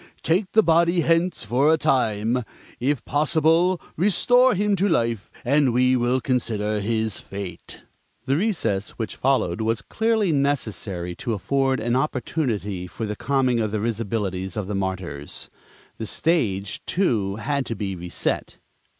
Take the body hence for a time; if possible, restore him to life, and we will consider his fate." The recess which followed was clearly necessary to afford an opportunity for the calming of the risibilities of the Martyrs. The stage, too, had to be reset.